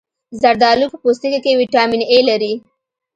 زردالو په پوستکي کې ویټامین A لري.